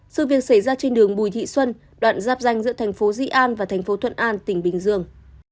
sự việc xảy ra trên đường bùi thị xuân đoạn giáp danh giữa thành phố di an và thành phố thuận an tỉnh bình dương